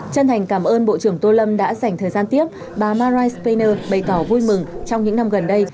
chân thành cảm ơn bộ trưởng tô lâm đã dành thời gian tiếp bà marai spaner bày tỏ vui mừng trong những năm gần đây